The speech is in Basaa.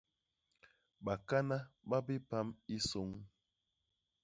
Bakana ba bipam i sôñ.